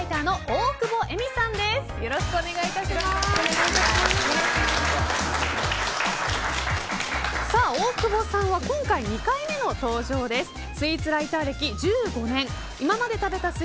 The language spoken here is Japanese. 大久保さんは今回２回目の登場です。